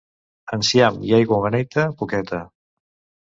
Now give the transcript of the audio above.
Enciam i aigua beneita, poqueta.